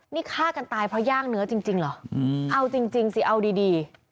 นี่ฆ่ากันตายเพราะย่างเนื้อจริงเหรอเอาจริงสิเอาดี